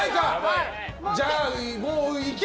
じゃあ、もう行け！